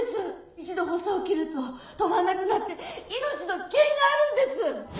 一度発作起きると止まんなくなって命の危険があるんです